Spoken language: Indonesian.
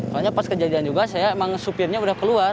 soalnya pas kejadian juga saya emang supirnya udah keluar